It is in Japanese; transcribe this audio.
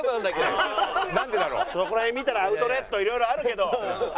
そこら辺見たらアウトレット色々あるけど。